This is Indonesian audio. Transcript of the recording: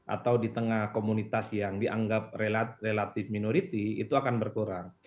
atau di tengah komunitas yang dianggap relatif minority itu akan berkurang